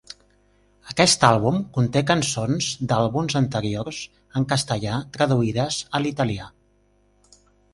Aquest àlbum conté cançons d'àlbums anteriors en castellà traduïdes a l'italià.